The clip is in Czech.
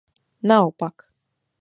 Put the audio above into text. Naopak!